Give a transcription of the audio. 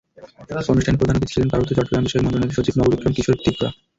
অনুষ্ঠানে প্রধান অতিথি ছিলেন পার্বত্য চট্টগ্রামবিষয়ক মন্ত্রণালয়ের সচিব নববিক্রম কিশোর ত্রিপুরা।